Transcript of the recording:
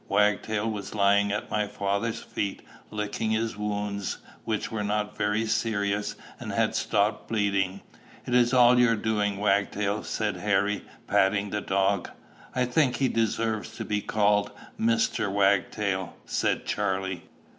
Wagtail was lying at my father's feet, licking his wounds, which were not very serious, and had stopped bleeding. "It is all your doing, Wagtail," said Harry, patting the dog. "I think he deserves to be called Mr. Wagtail," said Charley.